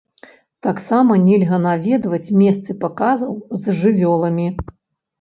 Таксама нельга наведваць месцы паказаў з жывёламі.